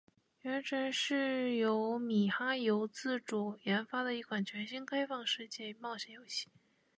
《原神》是由米哈游自主研发的一款全新开放世界冒险游戏。